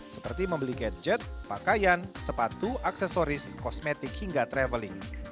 seperti membeli gadget pakaian sepatu aksesoris kosmetik hingga traveling